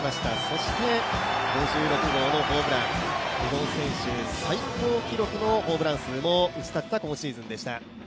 そして、５６号のホームラン、日本選手最高のホームラン記録も打ちたてた今シーズンでした。